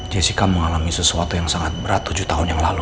jessica mengalami sesuatu yang sangat berat tujuh tahun yang lalu